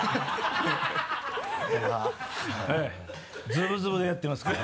ズブズブでやってますから。